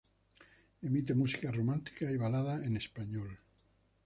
Emite música romántica y balada en español.